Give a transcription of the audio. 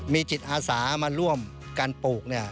มีจิตอาสามาร่วมกันปลูก